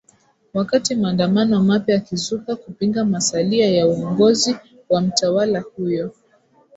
wakati maandamano mapya yakizuka kupinga masalia ya uongozi wa mtawala huyo